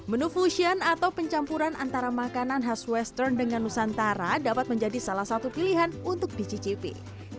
menu fusion atau pencampuran antara makanan khas western dengan nusantara dapat menjadi salah satu pilihan untuk dicicipi